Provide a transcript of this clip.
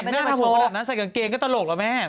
แต่หน้าสูงขนาดนั้นใส่กางเกงก็ตลกหรอแม่